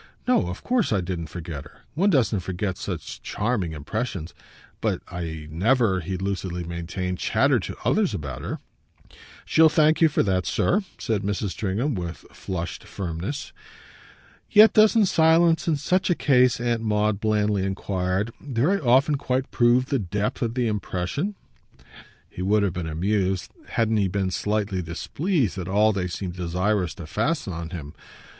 "No, of course I didn't forget her. One doesn't forget such charming impressions. But I never," he lucidly maintained, "chattered to others about her." "She'll thank you for that, sir," said Mrs. Stringham with a flushed firmness. "Yet doesn't silence in such a case," Aunt Maud blandly enquired, "very often quite prove the depth of the impression?" He would have been amused, hadn't he been slightly displeased, at all they seemed desirous to fasten on him.